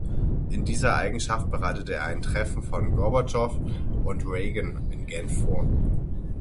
In dieser Eigenschaft bereitete er ein Treffen von Gorbatschow und Reagan in Genf vor.